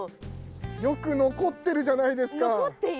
よく残ってるじゃないですか！